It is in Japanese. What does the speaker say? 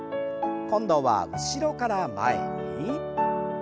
今度は後ろから前に。